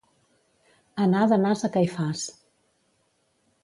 Anar d'Anàs a Caifàs.